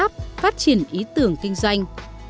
để giúp các start up phát triển ý tưởng kinh doanh